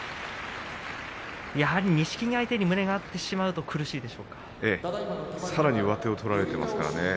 やはり錦木相手に胸が合ってしまうとさらに上手を取られていますからね